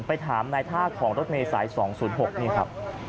ไปถามนายท่าของรถเมฆสาย๒๐๖นะฮะ